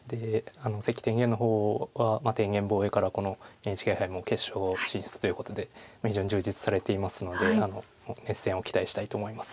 関天元の方は天元防衛からこのＮＨＫ杯も決勝進出ということで非常に充実されていますのでもう熱戦を期待したいと思います。